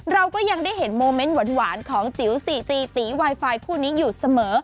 เราก็ยังได้เห็นโมเมนต์หวานของจิ๋วสี่จีตีไวไฟคู่นี้อยู่เสมอ